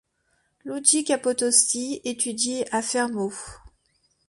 Luigi Capotosti étudie à Fermo.